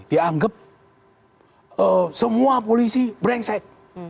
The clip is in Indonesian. dianggap semua polisi brengsek